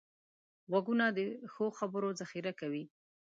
غوږونه د ښو خبرو ذخیره کوي